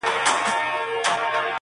بله ډله وايي سخت فهم دی،